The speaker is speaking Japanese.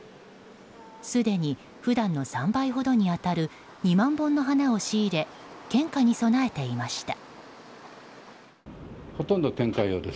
すでに普段の３倍ほどに当たる２万本の花を仕入れ献花に備えていました。